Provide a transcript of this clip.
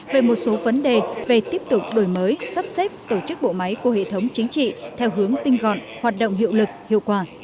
về một số vấn đề về tiếp tục đổi mới sắp xếp tổ chức bộ máy của hệ thống chính trị theo hướng tinh gọn hoạt động hiệu lực hiệu quả